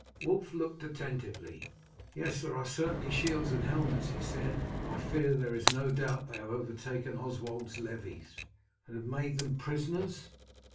Wulf looked attentively. "Yes, there are certainly shields and helmets," he said. "I fear there is no doubt they have overtaken Oswald's levies." "And have made them prisoners?"